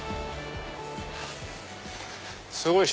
すごい！